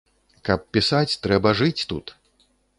Каб пісаць, трэба жыць тут.